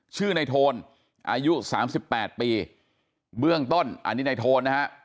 ชื่อคือนายโทนที่อายุ๓๘ปีเบื้องต้นอันนี้ในโทนนะฮะ